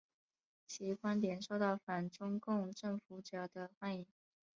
其观点受到反中共政府者的欢迎。